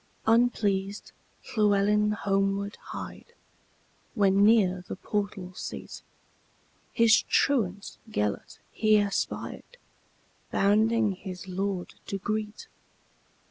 Unpleased Llewelyn homeward hied, When, near the portal seat, His truant Gêlert he espied, Bounding his lord to greet.